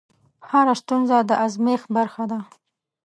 هره ستونزه د ازمېښت برخه ده.